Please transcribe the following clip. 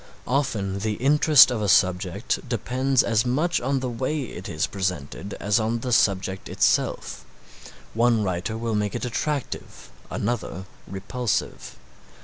Often the interest of a subject depends as much on the way it is presented as on the subject itself. One writer will make it attractive, another repulsive.